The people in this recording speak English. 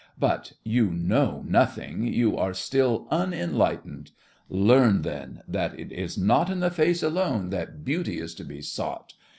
But you know nothing; you are still unenlightened. Learn, then, that it is not in the face alone that beauty is to be sought.